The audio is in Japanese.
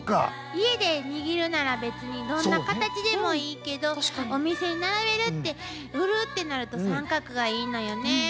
家で握るなら別にどんなカタチでもいいけどお店に並べるって売るってなると三角がいいのよね。